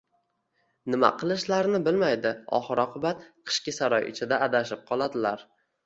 Nima qilishlarini bilmaydi. Oxir-oqibat, Qishki saroy ichida... adashib qoladilar!